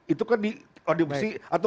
itu kan diadopsi atau